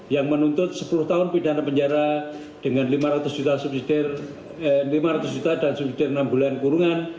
yang menuntut sepuluh tahun pidana penjara dengan lima ratus juta dan subsidi enam bulan kurungan